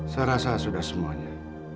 sependirian saya sudah semaknya